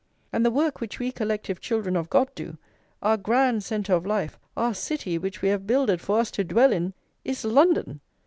And the work which we collective children of God do, our grand centre of life, our city which we have builded for us to dwell in, is London!